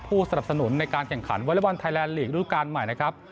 ผู้สรรพสนุนในการแข่งขันวัลเล็กบอลไทยแลนด์รูปการใหม่นะครับ